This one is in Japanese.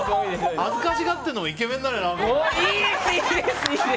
恥ずかしがってるのもイケメンだね。